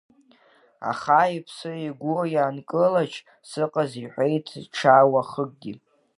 Аха, иԥсы игәы ианкылач, сыҟаз иҳәеит ҽа уахыкгьы.